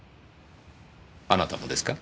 あなたもですか？